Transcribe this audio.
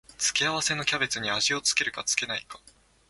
付け合わせのキャベツに味を付けるか付けないか